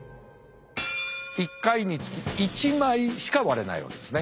１回につき１枚しか割れないわけですね。